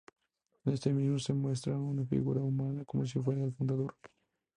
En este mismo se muestra una figura humana como si fuera el fundador.